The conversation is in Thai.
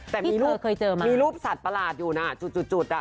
แต่มีรูปสัตว์ประหลาดอยู่นะจุดอ่ะ